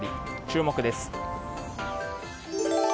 注目です。